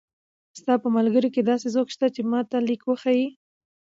ستا په ملګرو کښې داسې څوک شته چې ما ته ليکل وښايي